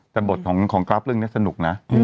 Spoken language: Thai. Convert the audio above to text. แต่บทของกราฟเรื่องนี้สนุกนะ